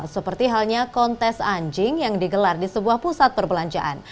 seperti halnya kontes anjing yang digelar di sebuah pusat perbelanjaan